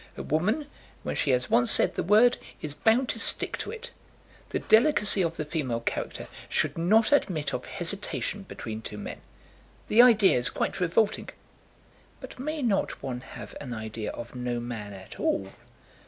A woman, when she has once said the word, is bound to stick to it. The delicacy of the female character should not admit of hesitation between two men. The idea is quite revolting." "But may not one have an idea of no man at all?"